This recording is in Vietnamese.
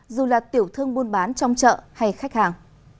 dù là tiểu thương buôn bán trong chợ hay khách hàng